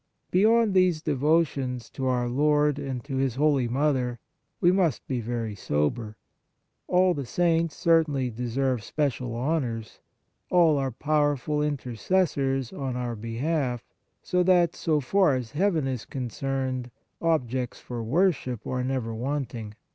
Beyond these devotions to our Lord and to His holy Mother, we must be very sober. All the Saints certainly deserve special honours ; all are powerful intercessors on our behalf, so that, so far as Heaven is concerned, objects for worship are never wanting.